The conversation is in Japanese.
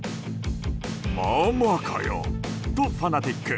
まあまあかよとファナティック。